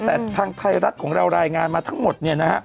แต่ทางไทยรัฐของเรารายงานมาทั้งหมด